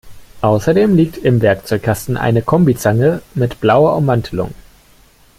Außerdem liegt im Werkzeugkasten eine Kombizange mit blauer Ummantelung.